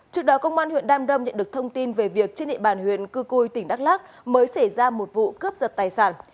trước đó công an huyện đam rông nhận được thông tin về việc trên địa bàn huyện cư cui tỉnh đắk lắc mới xảy ra một vụ cướp giật tài sản